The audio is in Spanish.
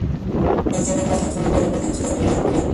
En Cebreros, una placa en su honor le recuerda en su casa familiar.